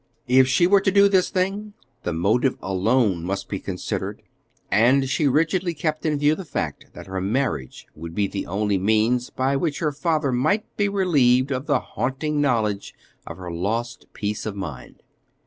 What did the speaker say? If she were to do this thing, the motive alone must be considered; and she rigidly kept in view the fact that her marriage would be the only means by which her father might be relieved of the haunting knowledge of her lost peace of mind.